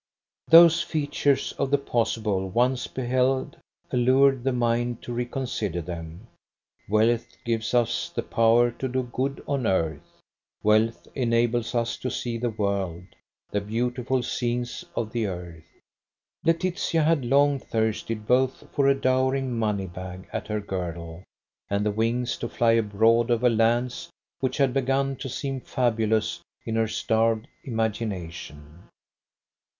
Those features of the possible once beheld allured the mind to reconsider them. Wealth gives us the power to do good on earth. Wealth enables us to see the world, the beautiful scenes of the earth. Laetitia had long thirsted both for a dowering money bag at her girdle, and the wings to fly abroad over lands which had begun to seem fabulous in her starved imagination.